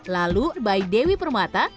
lalu by dewi permata